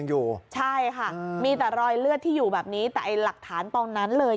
นี่ฮะขึ้นจุดเตะเสย